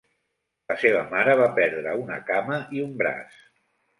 La seva mare va perdre una cama i un braç.